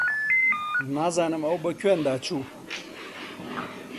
نازانم ئەو بە کوێندا چوو.